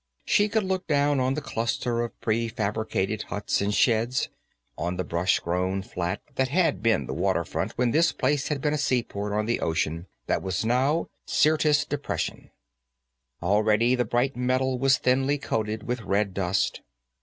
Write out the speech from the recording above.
She could look down on the cluster of prefabricated huts and sheds, on the brush grown flat that had been the waterfront when this place had been a seaport on the ocean that was now Syrtis Depression; already, the bright metal was thinly coated with red dust.